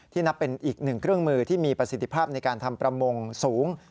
นับเป็นอีกหนึ่งเครื่องมือที่มีประสิทธิภาพในการทำประมงสูง